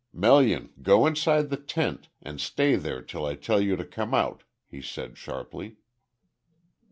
"Melian, go inside the tent, and stay there till I tell you to come out," he said sharply.